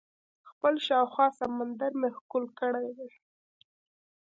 خپل شاوخوا سمندر مې ښکل کړی دئ.